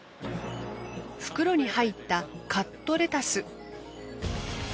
袋に入ったカットレタス。